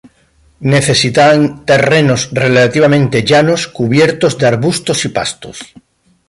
Necesitan terrenos relativamente llanos, cubiertos de arbustos y pastos.